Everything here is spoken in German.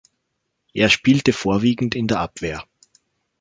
Er spielte vorwiegend in der Abwehr.